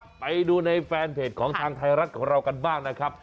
ไปดูในแฟนเพจของทางไทยรัฐของเรากันบ้างนะครับ